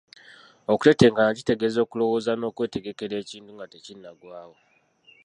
Okutetenkanya kitegeeza okulowooza n’okwetegekera ekintu nga tekinnagwawo.